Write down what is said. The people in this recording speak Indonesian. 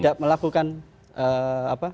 tidak melakukan apa